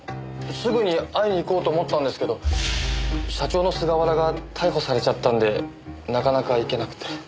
すぐに会いに行こうと思ったんですけど社長の菅原が逮捕されちゃったんでなかなか行けなくて。